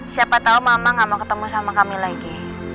siapa tahu mama gak mau ketemu sama kami lagi